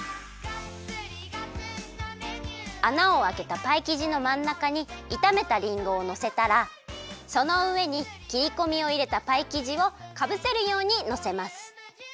あなをあけたパイきじのまんなかにいためたりんごをのせたらそのうえにきりこみをいれたパイきじをかぶせるようにのせます。